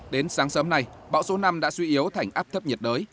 đến sáng sớm nay bão số năm đã suy yếu thành áp thấp nhiệt đới